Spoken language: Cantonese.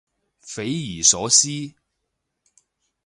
匪夷所思